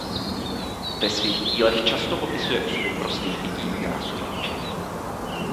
Ve svých dílech často popisuje osudy prostých lidí a krásu jihu Čech.